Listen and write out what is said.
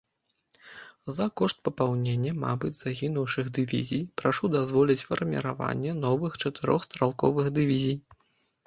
За кошт папаўнення, мабыць, загінуўшых дывізій, прашу дазволіць фарміраванне новых чатырох стралковых дывізій.